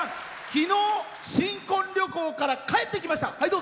昨日、新婚旅行から帰ってきました。